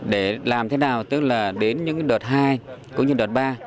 để làm thế nào tức là đến những đợt hai cũng như đợt ba